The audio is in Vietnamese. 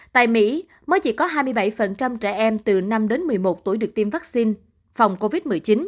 tại mỹ mới chỉ có hai mươi bảy trẻ em từ năm đến một mươi một tuổi được tiêm vaccine